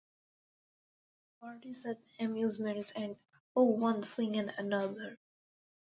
Parties and amusements and — oh, one thing or another.